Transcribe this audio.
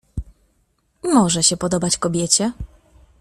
"Może się podobać kobiecie."